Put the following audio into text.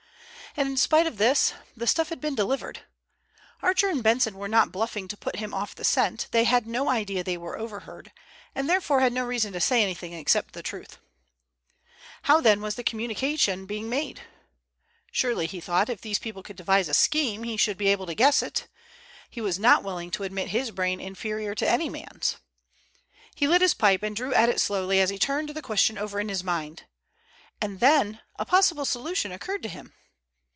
And in spite of this the stuff had been delivered. Archer and Benson were not bluffing to put him off the scent. They had no idea they were overheard, and therefore had no reason to say anything except the truth. How then was the communication being made? Surely, he thought, if these people could devise a scheme, he should be able to guess it. He was not willing to admit his brain inferior to any man's. He lit his pipe and drew at it slowly as he turned the question over in his mind. And then a possible solution occurred to him.